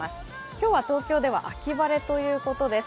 今日は東京では秋晴れということです。